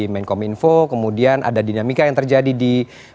menkominfo kemudian ada dinamika yang terjadi di